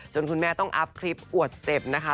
คุณแม่ต้องอัพคลิปอวดสเต็ปนะคะ